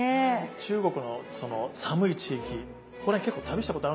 中国のその寒い地域結構旅したことあるんですよ。